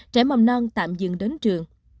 trẻ mầm non tạm dừng đến trường